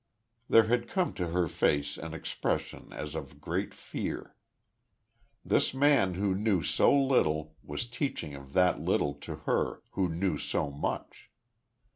There had come to her face an expression as of a great fear. This man who knew so little, was teaching of that little to her, who knew so much....